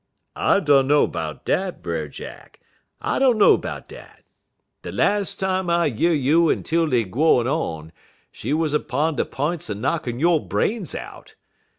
"I dunno 'bout dat, Brer Jack, I dunno 'bout dat. De las' time I year you en 'Tildy gwine on, she wuz 'pun de p'ints er knockin' yo' brains out.